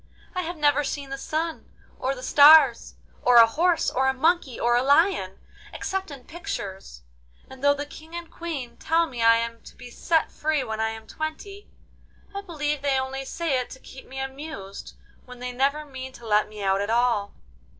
I have never seen the sun, or the stars, or a horse, or a monkey, or a lion, except in pictures, and though the King and Queen tell me I am to be set free when I am twenty, I believe they only say it to keep me amused, when they never mean to let me out at all.